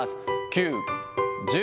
９、１０。